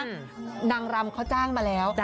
นางรำเขาจ้างมาแล้ว